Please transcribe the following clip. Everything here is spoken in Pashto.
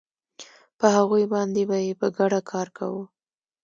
په هغوی باندې به یې په ګډه کار کاوه